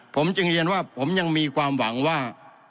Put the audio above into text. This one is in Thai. ผมจึงเรียนว่าผมยังมีความหวังว่า